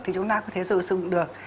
thì chúng ta có thể sử dụng được